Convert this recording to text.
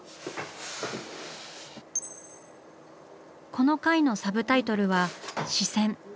この回のサブタイトルは「視線」。